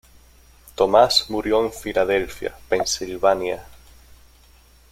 Thomas murió en Filadelfia, Pensilvania.